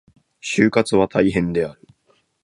就活は大変である。